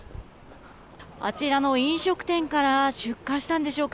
あちらの飲食店から出火したんでしょうか。